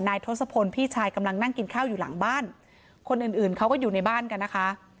ทศพลพี่ชายกำลังนั่งกินข้าวอยู่หลังบ้านคนอื่นอื่นเขาก็อยู่ในบ้านกันนะคะ